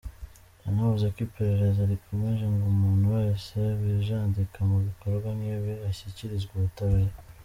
Yanavuze ko iperereza rikomeje ngo umuntu wese wijandika mu bikorwa nk’ibi ashyikirizwe ubutabera.